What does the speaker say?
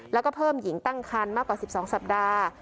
แล้วก็เพิ่มหญิงตั้งคันมากกว่า๑๒สัปดาห์